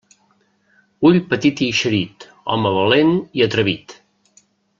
Ull petit i eixerit, home valent i atrevit.